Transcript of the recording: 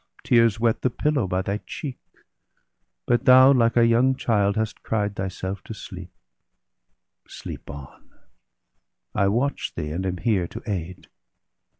Tears wet the pillow by thy cheek; but thou, Like a young child, hast cried thyself to sleep. Sleep on ; I watch thee, and am here to aid.